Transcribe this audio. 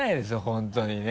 本当にね。